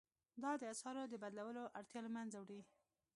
دا د اسعارو د بدلولو اړتیا له مینځه وړي.